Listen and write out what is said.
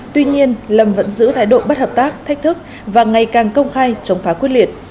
tuy nhiên lâm vẫn giữ thái độ bất hợp tác thách thức và ngày càng công khai chống phá quyết liệt